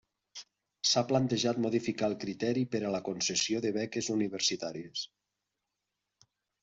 S'ha plantejat modificar el criteri per a la concessió de beques universitàries.